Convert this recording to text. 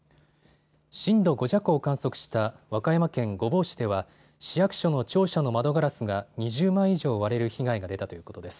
震度５弱を観測した和歌山県御坊市では市役所の庁舎の窓ガラスが２０枚以上割れる被害が出たということです。